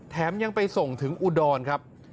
แถมยังไปส่งถึงอุดรครับ